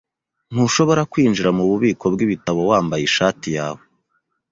Ntushobora kwinjira mububiko bwibitabo wambaye ishati yawe.